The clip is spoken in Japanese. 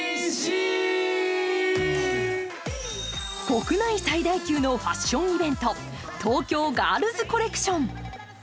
国内最大級のファッションイベント、東京ガールズコレクション。